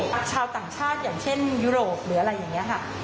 ผู้ต่างชาติอย่างเช่นโยโรปอะไรอย่างเนี่ยครับ